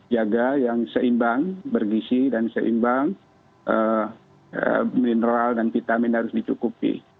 jaga yang seimbang bergisi dan seimbang mineral dan vitamin harus dicukupi